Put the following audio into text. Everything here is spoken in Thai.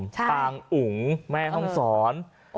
ตางอุ๋งแม่ห้องสอน